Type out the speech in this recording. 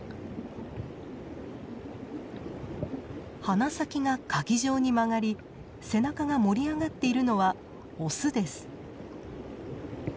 鼻先がかぎ状に曲がり背中が盛り上がっているのはオスです。